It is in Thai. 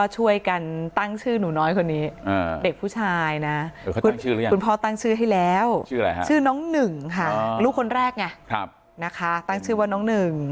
ชื่ออะไรฮะชื่อน้องหนึ่งค่ะอ๋อลูกคนแรกไงครับนะคะตั้งชื่อว่าน้องหนึ่ง